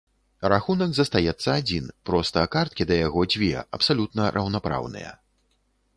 Рахунак застаецца адзін, проста карткі да яго дзве, абсалютна раўнапраўныя.